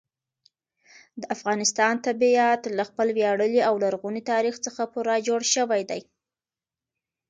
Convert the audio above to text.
د افغانستان طبیعت له خپل ویاړلي او لرغوني تاریخ څخه پوره جوړ شوی دی.